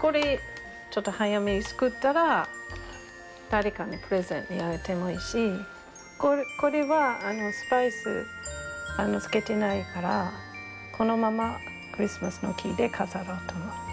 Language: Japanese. これちょっと早めに作ったら誰かにプレゼントにあげてもいいしこれはスパイスつけてないからこのままクリスマスの木で飾ろうと思って。